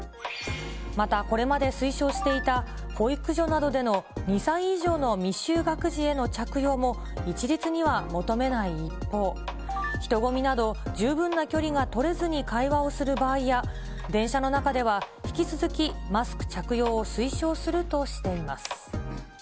また、これまで推奨していた保育所などでの２歳以上の未就学児への着用も一律には求めない一方、人混みなど十分な距離が取れずに会話をする場合や、電車の中では引き続きマスク着用を推奨するとしています。